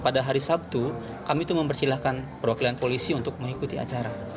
pada hari sabtu kami itu mempersilahkan perwakilan polisi untuk mengikuti acara